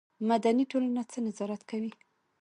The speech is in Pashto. مدني ټولنه څه نظارت کوي؟